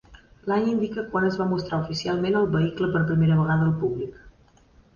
L'any indica quan es va mostrar oficialment el vehicle per primera vegada al públic.